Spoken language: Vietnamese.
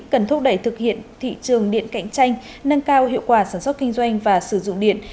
cần thúc đẩy thực hiện thị trường điện cạnh tranh nâng cao hiệu quả sản xuất kinh doanh và sử dụng điện